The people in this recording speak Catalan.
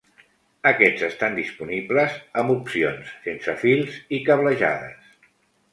Aquests estan disponibles amb opcions sense fils i cablejades.